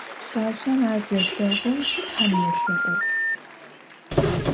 Пшъашъэм ар зелъэгъум тхьэм елъэӏугъ.